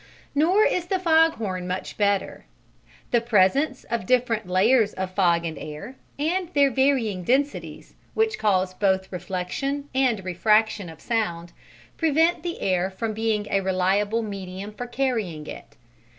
Nor is the foghorn much better: the presence of different layers of fog and air, and their varying densities, which cause both reflection and refraction of sound, prevent the air from being a reliable medium for carrying it.